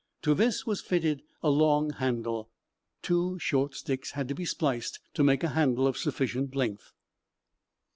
To this was fitted a long handle. Two short sticks had to be spliced to make a handle of sufficient length.